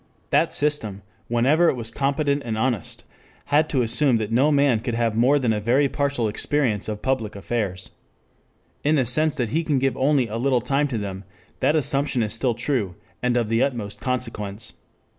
That system, whenever it was competent and honest, had to assume that no man could have more than a very partial experience of public affairs. In the sense that he can give only a little time to them, that assumption is still true, and of the utmost consequence.